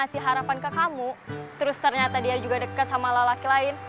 kasih harapan ke kamu terus ternyata dia juga dekat sama lelaki lain